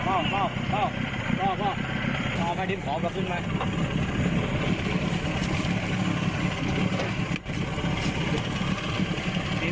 พ่อมาดิมขอขอบหาขึ้นมา